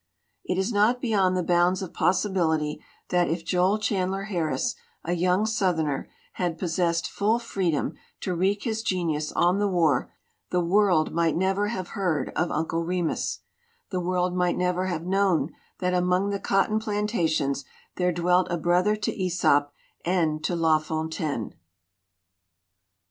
"It is not beyond the bounds of possibility that if Joel Chandler Harris, a young Southerner, had possessed full freedom to wreak his genius on the war, the world might never have heard of 'Uncle Remus/ The world might never have known that among the cotton plantations there dwelt a brother to Msop and to La Fontaine."